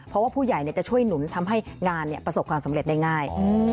เพราะว่าผู้ใหญ่จะช่วยหนุนทำให้งานประสบความสำเร็จได้ง่าย